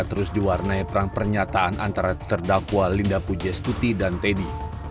terus diwarnai perang pernyataan antara terdakwa linda pujastuti dan teddy